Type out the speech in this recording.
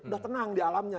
udah tenang di alamnya